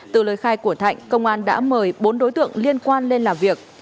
từ lời khai của thạnh công an đã mời bốn đối tượng liên quan lên làm việc